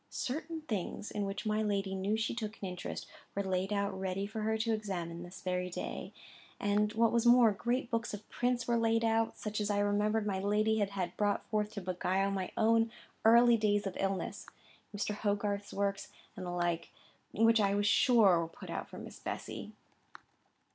Certain things, in which my lady knew she took an interest, were laid out ready for her to examine on this very day; and, what was more, great books of prints were laid out, such as I remembered my lady had had brought forth to beguile my own early days of illness,—Mr. Hogarth's works, and the like,—which I was sure were put out for Miss Bessy.